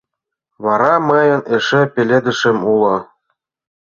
— Вара мыйын эше пеледышем уло.